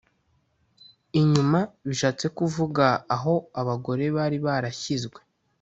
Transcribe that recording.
Inyuma bishatse kuvuga aho abagore bari barashyizwe